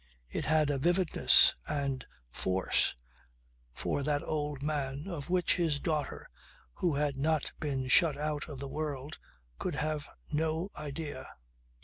It had a vividness and force for that old man of which his daughter who had not been shut out of the world could have no idea.